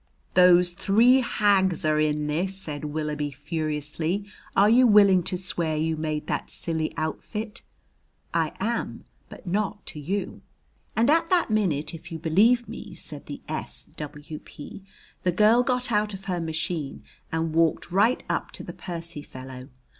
"Those three hags are in this!" said Willoughby furiously. "Are you willing to swear you made that silly outfit?" "I am, but not to you." "And at that minute, if you'll believe me," said the S. W.P., "the girl got out of her machine and walked right up to the Percy fellow.